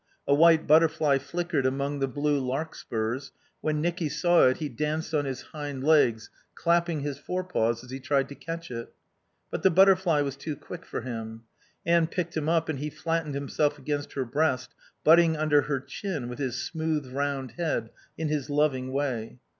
A white butterfly flickered among the blue larkspurs; when Nicky saw it he danced on his hind legs, clapping his forepaws as he tried to catch it. But the butterfly was too quick for him. Anne picked him up and he flattened himself against her breast, butting under her chin with his smooth round head in his loving way.